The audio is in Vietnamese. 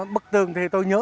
bức tường thì tôi nhớ